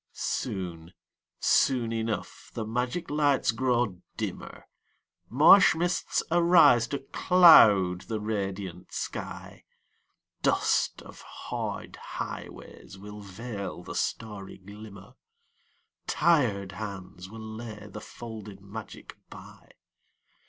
Soon, soon enough the magic lights grow dimmer, Marsh mists arise to cloud the radiant sky, Dust of hard highways will veil the starry glimmer, Tired hands will lay the folded magic by.